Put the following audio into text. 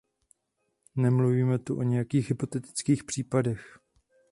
Nemluvíme tu o nějakých hypotetických případech.